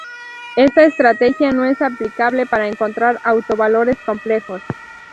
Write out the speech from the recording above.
Esta estrategia no es aplicable para encontrar autovalores complejos.